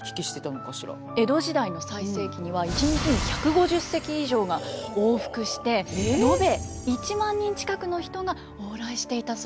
江戸時代の最盛期には一日に１５０隻以上が往復してのべ１万人近くの人が往来していたそうなんですよ。